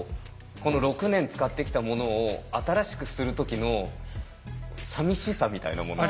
この６年使ってきたものを新しくする時のさみしさみたいなもの。